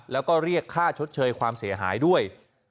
แล้วก็เรียกค่าชดเชยความเสียหายด้วย